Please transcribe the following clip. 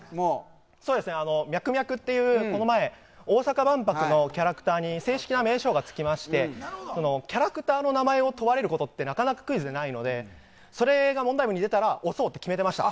ミャクミャクっていう大阪万博のキャラクターに正式な名称がつきましてキャラクターの名前を問われることって、なかなかクイズでないのでそれが問題文に出たら押そうと決めていました。